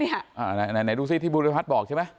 ไหนดูสิที่ภูริพัฒน์บอกใช่ไหม